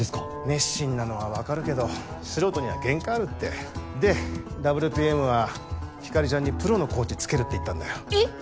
熱心なのは分かるけど素人には限界あるってでＷＰＭはひかりちゃんにプロのコーチつけるって言ったんだよえっ！